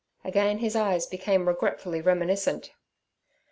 Again his eyes became regretfully reminiscent.